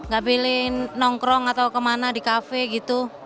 gak pilih nongkrong atau kemana di kafe gitu